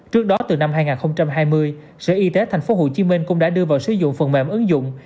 trước đó từ năm hai nghìn hai mươi sở y tế tp hcm cũng đã đưa vào sử dụng phần mềm ứng dụng